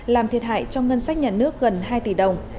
làm thiệt hại cho ngân sách nhà nước gần hai tỷ đồng